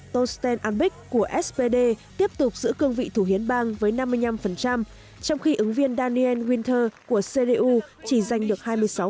tostan albique của spd tiếp tục giữ cương vị thủ hiến bang với năm mươi năm trong khi ứng viên daniel winter của cdu chỉ giành được hai mươi sáu